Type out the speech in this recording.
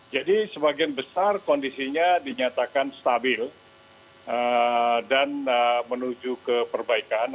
jadi sebagian besar kondisinya dinyatakan stabil dan menuju ke perbaikan